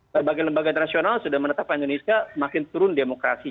sebagai lembaga internasional sudah menetapkan indonesia semakin turun demokratis